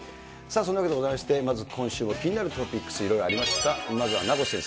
そんなわけでございまして、まず今週も気になるトピックス、いろいろありました。